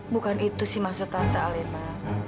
bukan itu sih maksud tante alena